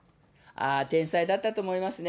天才だったと思いますね。